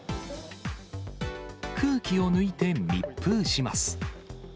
空気を抜いて密封します。